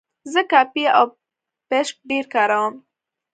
زه کاپي او پیسټ ډېر کاروم.